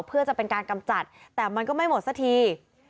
เพื่อจะเป็นการกำจัดแต่มันก็ไม่หมดสักที